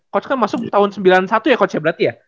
coach kan masuk tahun sembilan puluh satu ya coach ya berarti ya